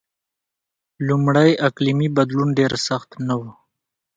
لومړی اقلیمی بدلون ډېر سخت نه و.